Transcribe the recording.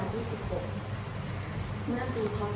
เมื่อปีพศ๒๕๒๖